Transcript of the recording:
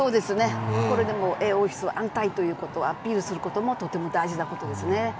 これでもう、英王室は安泰だということをアピールするのもとても大事なことですね。